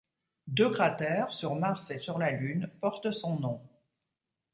Deux cratères, sur Mars et sur la Lune, portent son nom.